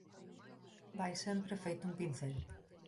vai sempre feito un pincel